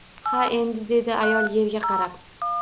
Ha endi… dedi ayol yerga qarab